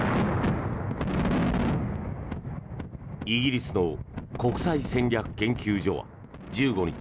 イギリスの国際戦略研究所は１５日